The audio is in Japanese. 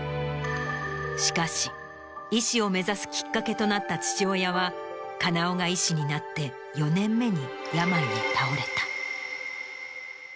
しかし医師を目指すきっかけとなった父親は金尾が医師になって４年目に。